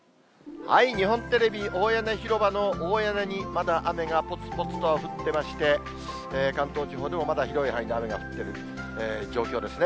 日本テレビ・大屋根広場の大屋根にまだ雨がぽつぽつと降ってまして、関東地方でもまだ広い範囲で雨が降ってる状況ですね。